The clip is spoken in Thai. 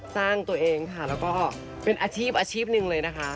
สร้างตัวเองค่ะแล้วก็เป็นอาชีพอาชีพหนึ่งเลยนะคะ